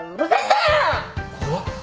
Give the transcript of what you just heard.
怖っ。